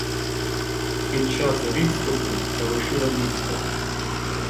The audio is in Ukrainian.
Під час відступу залишила місто.